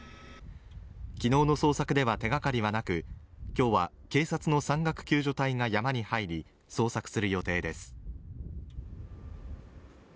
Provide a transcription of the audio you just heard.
昨日の捜索では手がかりはなく今日は警察の山岳救助隊が山に入り、捜索する予定です。